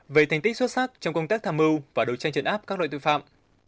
về thành tích xuất sắc trong công tác tham mưu và đối tranh trận áp các loại tội phạm